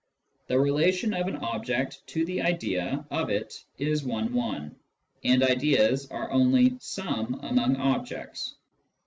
The relation of an object to the idea of it is one one, and ideas are only some among objects.